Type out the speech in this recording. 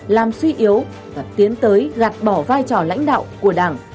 làm suy yếu và tiến tới gạt bỏ vai trò lãnh đạo của đảng